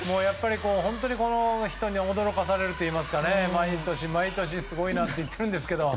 この人には本当に驚かされるといいますか毎年毎年、すごいなって言ってるんですけども。